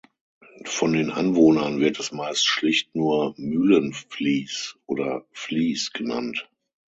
Von den Anwohnern wird es meist schlicht nur "Mühlenfließ" oder "Fließ" genannt.